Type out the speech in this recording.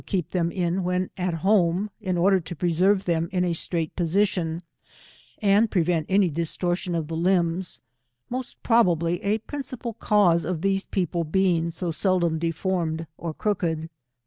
lieep thorn in vviien at home, in order to preserve them in a straight position, and prevent any dis tortion of the limbs, most probably a principal cause of these p^eople being so seldom deformed or crcclved.